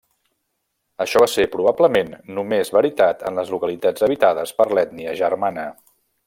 Açò va ser probablement només veritat en les localitats habitades per l'ètnia germana.